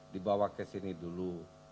dibawa ke sini dulu